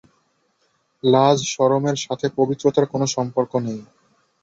লাজ-শরমের সাথে পবিত্রতার কোন সম্পর্ক নেই।